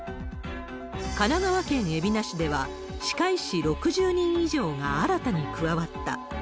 神奈川県海老名市では、歯科医師６０人以上が新たに加わった。